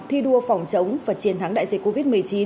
thi đua phòng chống và chiến thắng đại dịch covid một mươi chín